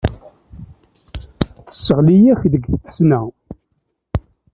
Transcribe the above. Tesseɣli-ak deg tfesna.